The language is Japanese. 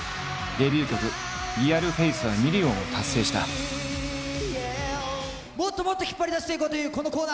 デビュー曲「ＲｅａｌＦａｃｅ」はもっともっと引っ張り出していこうというこのコーナー。